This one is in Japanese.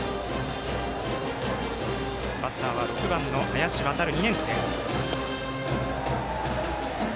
バッターは６番の林航海、２年生。